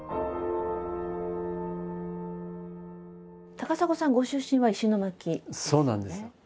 高砂さんご出身は石巻ですよね？